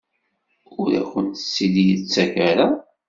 Ur akent-tt-id-yettak ara?